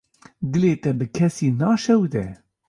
Dilê te bi kesî naşewite.